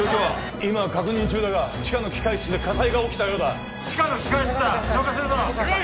今確認中だが地下の機械室で火災が起きたようだ地下の機械室だ消火するぞ了解！